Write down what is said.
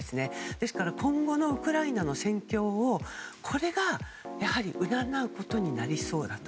ですから今後のウクライナの戦況を占うことになりそうだと。